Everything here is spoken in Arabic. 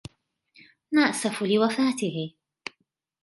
نأسف لوفاته